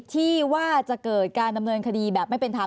ที่ว่าจะเกิดการดำเนินคดีแบบไม่เป็นธรรม